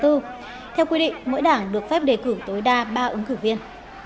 theo quy định mỗi đảng được phép đề cử tối đa ba ứng cử viên